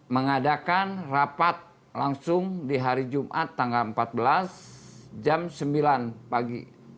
mengadakan rapat langsung di hari jumat tanggal empat belas jam sembilan pagi